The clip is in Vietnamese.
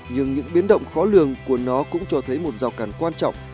nhưng những biến động khó lường của nó cũng cho thấy một rào cản quan trọng